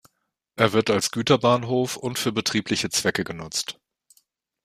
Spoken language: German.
Er wird als Güterbahnhof und für betriebliche Zwecke genutzt.